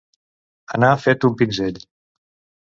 Anar fet un pinzell.